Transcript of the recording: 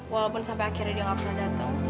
walaupun sampe akhirnya dia gak pernah dateng